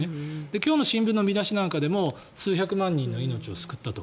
今日の新聞の見出しでも数百万人の命を救ったと。